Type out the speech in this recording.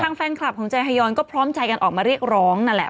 แฟนคลับของใจฮายอนก็พร้อมใจกันออกมาเรียกร้องนั่นแหละ